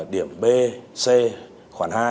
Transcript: điểm b c khoảng hai